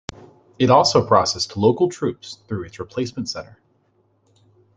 It also processed local troops through its replacement center.